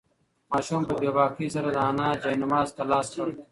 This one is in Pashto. ماشوم په بې باکۍ سره د انا جاینماز ته لاس کړ.